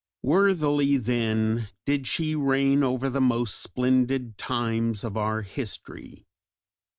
Worthily then did she reign over the most splendid times of our history.